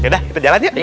yaudah kita jalan yuk ayo